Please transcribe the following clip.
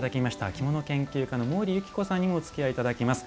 着物研究家の毛利ゆき子さんにもおつきあいいただきます。